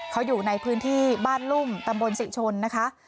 เขาอยู่ในพื้นที่บ้านลุ่มตำบลศรีชนนะคะ